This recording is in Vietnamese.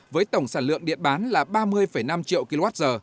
với tổng sản lượng điện bán là ba mươi năm triệu kwh